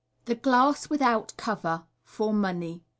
Thb Glass without Cover, for Money.